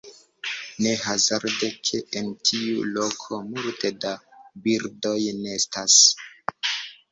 Ne hazarde, ke en tiu loko multe da birdoj nestas.